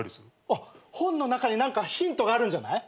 あっ本の中に何かヒントがあるんじゃない？